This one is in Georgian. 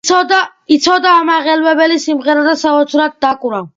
იცოდა ამაღელვებელი სიმღერა და საოცრად დაკვრა.